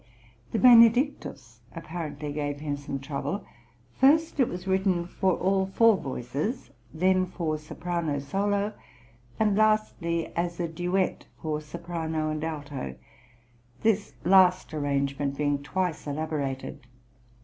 The Benedic tus apparently gave him some trouble. First, it was written for all four voices, then for soprano solo, and lastly as a duet for soprano and alto, this last arrangement being twice elaborated.